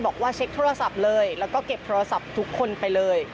บอกว่าเช็คโทรศัพท์เลยแล้วก็เก็บโทรศัพท์ทุกคนไปเลย